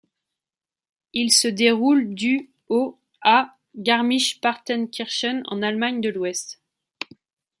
Il se déroule du au à Garmisch-Partenkirchen en Allemagne de l'Ouest.